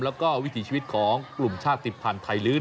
แล้วก็วิถีชีวิตของกลุ่มชาติภัณฑ์ไทยลื้อ